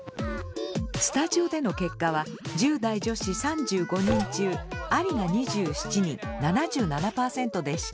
スタジオでの結果は１０代女子３５人中アリが２７人７７％でした。